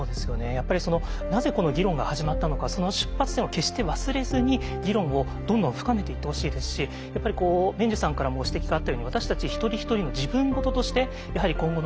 やっぱりなぜこの議論が始まったのかその出発点を決して忘れずに議論をどんどん深めていってほしいですしやっぱり毛受さんからもご指摘があったように私たち一人一人の自分事としてやはり今後の議論